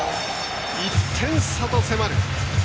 １点差と迫る。